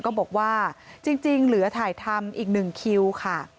ก็บอกว่าจริงเหลือถ่ายทำอีก๑คิวค่ะ